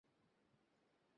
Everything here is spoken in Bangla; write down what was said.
যার মানে ওরা এখানে রয়েছে।